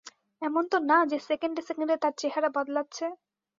এমন তো না যে সেকেন্ডে সেকেন্ডে তার চেহারা বদলাচ্ছে।